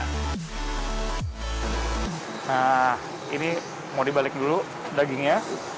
nah ini mau dibalik dulu dagingnya